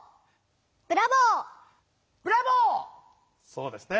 そうですね。